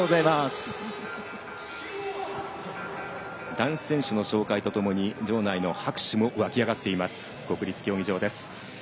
男子選手の紹介とともに場内では拍手も湧き上がっています国立競技場です。